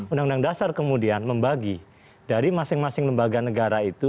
undang undang dasar kemudian membagi dari masing masing lembaga negara itu